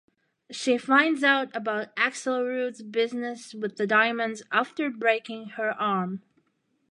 She finds out about Axelroot's business with the diamonds after breaking her arm.